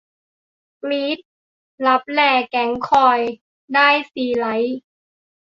กรี๊ด !'ลับแล แก่งคอย' ได้ซีไรต์ !